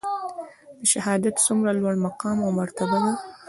شهادت څومره لوړ مقام او مرتبه ده؟